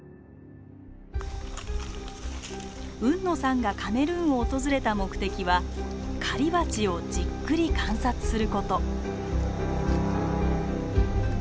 海野さんがカメルーンを訪れた目的は狩りバチをじっくり観察する事。